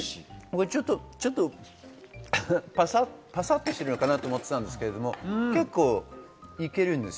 ちょっとパサっとしてるかと思ってたんですけど、結構いけます。